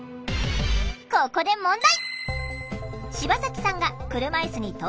ここで問題！